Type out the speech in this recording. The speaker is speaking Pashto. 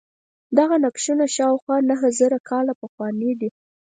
دغه نقشونه شاوخوا نهه زره کاله پخواني دي.